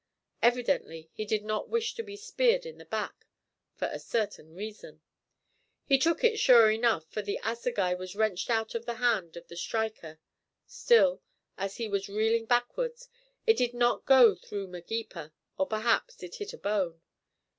Evidently he did not wish to be speared in the back for a certain reason. He took it sure enough, for the assegai was wrenched out of the hand of the striker. Still, as he was reeling backwards, it did not go through Magepa, or perhaps it hit a bone.